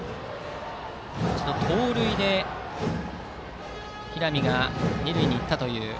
盗塁で平見が二塁に行ったという。